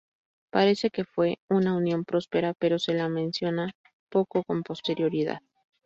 Parece que fue una unión próspera, pero se la menciona poco con posterioridad.